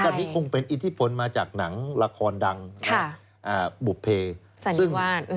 แต่นี่คงเป็นอิทธิพลมาจากหนังละครดังค่ะอ่าบุภเพสันติวาสอืม